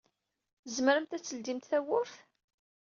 Tzemremt ad tledyemt tawwurt.